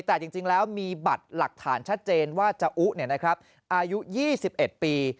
แต่จริงแล้วมีบัตรหลักฐานชัดเจนว่าจาอุอายุ๒๑ปี